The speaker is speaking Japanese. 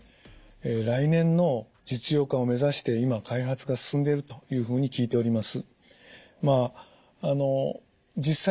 来年の実用化を目指して今開発が進んでいるというふうに聞いております。